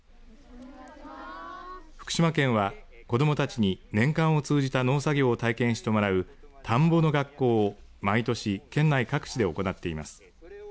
福島県は子どもたちに年間を通じた農作業を体験してもらう田んぼの学校を毎年、県内各地で行っています。